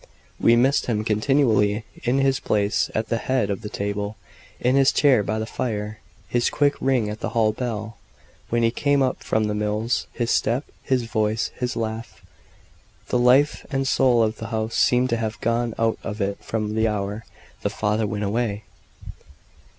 We missed him continually; in his place at the head of the table; in his chair by the fire; his quick ring at the hall bell, when he came up from the mills his step his voice his laugh. The life and soul of the house seemed to have gone out of it from the hour the father went away.